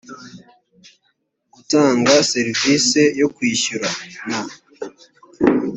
gutanga serivisi yo kwishyurana